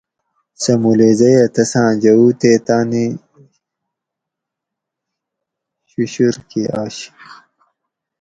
سہ مولیزے اۤ تساۤں جوؤ تے تانی ششور کے آشی